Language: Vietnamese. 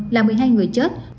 là một mươi hai người chết